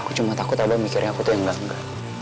aku cuma takut abah mikirin aku tuh yang gangga